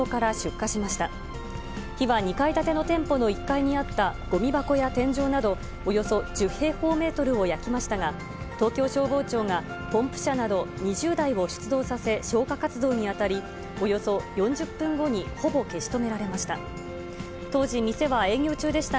火は２階建ての店舗の１階にあったごみ箱や天井など、およそ１０平方メートルを焼きましたが、東京消防庁がポンプ車など２０台を出動させ、消火活動に当たり、およそ４０分後にほぼ消し止められました。